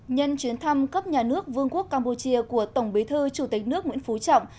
nhân chuyến thăm cấp nhà nước vương quốc campuchia của tổng bí thư chủ tịch nước nguyễn phú trọng